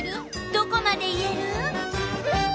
どこまでいえる？